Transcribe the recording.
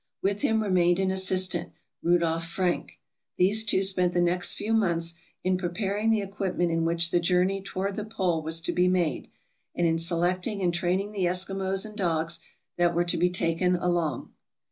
With him re mained an assistant, Rudolph Francke. These two spent the next few months in preparing the equipment in which the journey toward the pole was to be made, and in selecting and training the Eskimos and dogs that were to be taken along.